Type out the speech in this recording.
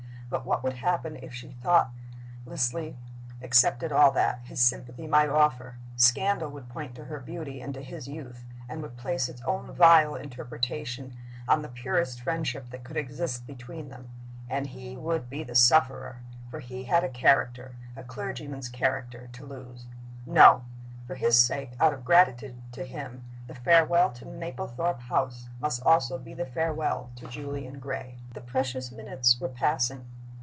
But what would happen if she thoughtlessly accepted all that his sympathy might offer? Scandal would point to her beauty and to his youth, and would place its own vile interpretation on the purest friendship that could exist between them. And he would be the sufferer, for he had a character a clergyman's character to lose. No. For his sake, out of gratitude to him, the farewell to Mablethorpe House must be also the farewell to Julian Gray. The precious minutes were passing.